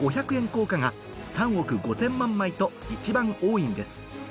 硬貨が３億５０００万枚と一番多いんです